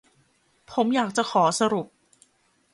ผมอยากจะขอสรุป